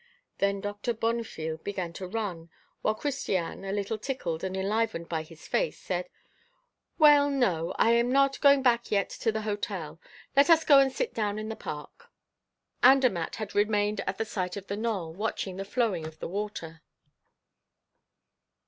Then Doctor Bonnefille began to run, while Christiane, a little tickled and enlivened by his face, said: "Well, no, I am not going back yet to the hotel. Let us go and sit down in the park." Andermatt had remained at the site of the knoll, watching the flowing of the water.